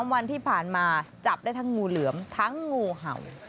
วันที่ผ่านมาจับได้ทั้งงูเหลือมทั้งงูเห่า